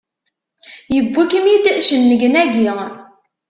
Yewwi-kem-id cennegnagi!